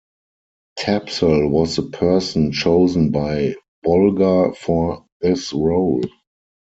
Tapsell was the person chosen by Bolger for this role.